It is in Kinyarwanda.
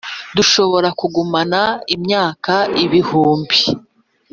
Dushobora kugumana imyaka ibihumbi